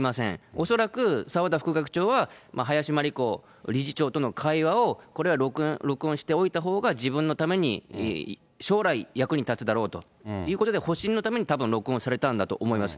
おそらく澤田副学長は、林真理子理事長との会話を、これは録音しておいたほうが自分のために、将来、役に立つだろうということで、保身のためにたぶん、録音されたんだと思います。